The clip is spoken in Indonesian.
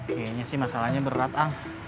kayanya sih masalahnya berat ang